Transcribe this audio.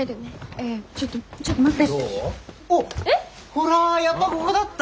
ほらやっぱこごだった！